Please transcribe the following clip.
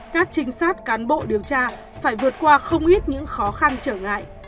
các trinh sát cán bộ điều tra phải vượt qua không ít những khó khăn trở ngại